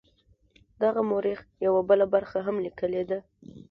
دغه مورخ یوه بله خبره هم لیکلې ده.